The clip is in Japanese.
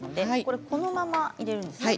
このまま入れるんですね。